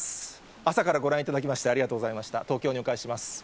朝からご覧いただきまして、ありがとうございました。